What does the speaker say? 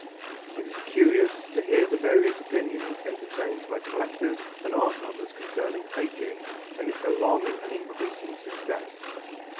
It is curious to hear the various opinions entertained by collectors and art lovers concerning faking and its alarming and increasing success.